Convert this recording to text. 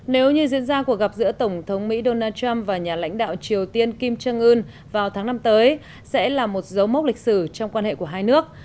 nếu như diễn ra cuộc gặp giữa tổng thống mỹ donald trump và nhà lãnh đạo triều tiên kim jong un vào tháng năm tới sẽ là một dấu mốc lịch sử trong quan hệ của hai nước